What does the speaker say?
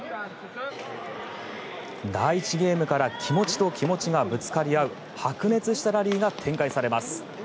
第１ゲームから気持ちと気持ちがぶつかり合う白熱したラリーが展開されます。